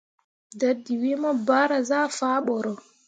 Dadǝwee mu bahra zah faa boro.